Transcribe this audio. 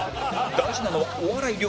大事なのはお笑い力？